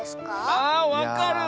あわかる！